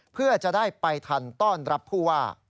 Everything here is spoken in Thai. เพื่อจะได้ไปทันต้อนรับผู้ว่า